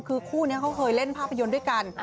คือคู่นี้เขาเคยเล่นภาพยนตร์ด้วยกัน